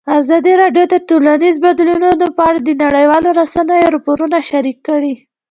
ازادي راډیو د ټولنیز بدلون په اړه د نړیوالو رسنیو راپورونه شریک کړي.